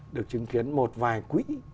được chứng kiến một vài quỹ